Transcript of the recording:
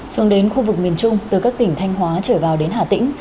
xuống đến khu vực miền trung từ các tỉnh thanh hóa trở vào đến hà tĩnh